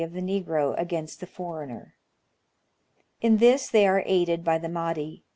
of the Negro against the foreigner. In this they are aided by the Mahdi.